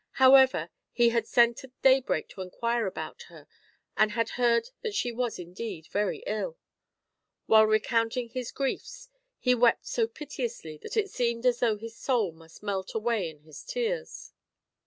However, he had sent at daybreak to inquire about her, and had heard that she was indeed very ill. While recount ing his griefs he wept so piteously that it seemed as though his soul must melt away in his tears.